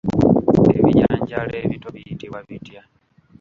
Ebijanjaalo ebito biyitibwa bitya?